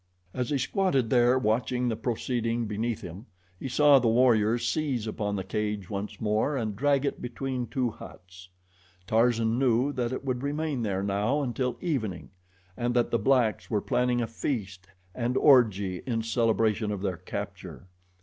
As he squatted there watching the proceeding beneath him, he saw the warriors seize upon the cage once more and drag it between two huts. Tarzan knew that it would remain there now until evening, and that the blacks were planning a feast and orgy in celebration of their capture.